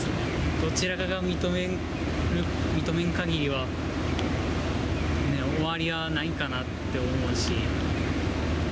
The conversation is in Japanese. どちらかが認めないかぎりは、終わりはないんかなって思うし。